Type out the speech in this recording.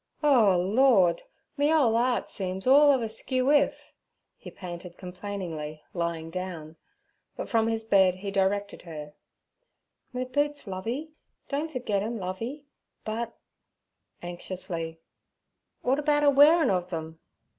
'O Lord! me ole 'eart seems all of a skewwif' he panted complainingly, lying down; but from his bed he directed her: 'Me boots, Lovey—don't forget 'em, Lovey; but'—anxiously—'w'at about a wearin' ov them?'